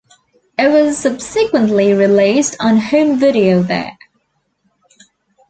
It was subsequently released on home video there.